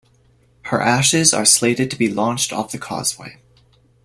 Her ashes are slated to be launched off the causeway.